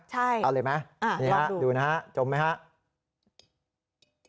ใช่เอาเลยไหมดูนะจมไหมฮะอ่าลองดู